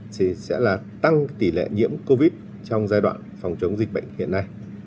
thì sẽ tăng tỷ lệ nhiễm covid một mươi chín trong giai đoạn phòng chống dịch bệnh hiện nay